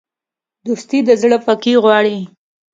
دوستي د زړه پاکي غواړي.